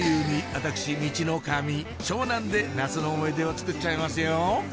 私ミチノカミ湘南で夏の思い出をつくっちゃいますよ！